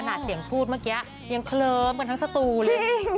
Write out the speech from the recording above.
เสียงพูดเมื่อกี้ยังเคลิ้มกันทั้งสตูเลย